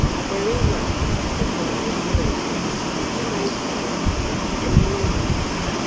"Very well," said the Major easily. "You may stay here; and we'll go."